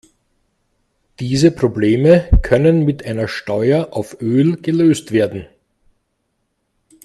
Diese Probleme können mit einer Steuer auf Öl gelöst werden.